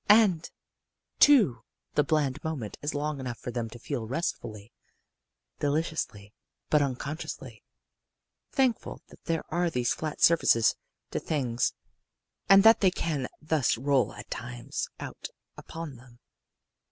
"And, too, the bland moment is long enough for them to feel restfully, deliciously, but unconsciously, thankful that there are these flat surfaces to things and that they can thus roll at times out upon them.